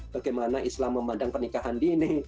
bagaimana islam memandang pernikahan dini